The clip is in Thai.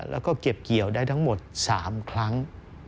แล้วก็เก็บเกี่ยวได้ทั้งหมด๓ครั้ง